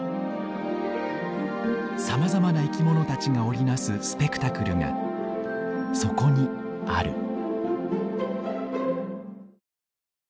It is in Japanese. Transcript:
さまざまな生き物たちが織り成すスペクタクルがそこにある。